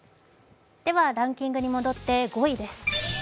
ランキングに戻って５位です。